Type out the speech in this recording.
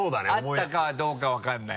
あったかどうかわからない？